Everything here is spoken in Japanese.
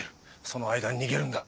その間に逃げるんだ。